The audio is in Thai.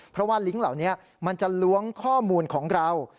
เพราะว่าลิงก์เหล่านี้มันจะล้วงข้อมูลของเรา